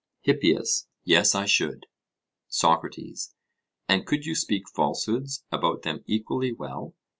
HIPPIAS: Yes, I should. SOCRATES: And could you speak falsehoods about them equally well?